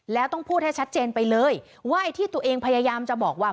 แล้วต้องพูดให้ชัดเจนไปเลยว่าไอ้ที่ตัวเองพยายามจะบอกว่า